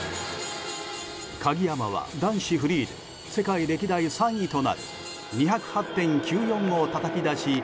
鍵山は男子フリーで世界歴代３位となる２０８．９４をたたき出し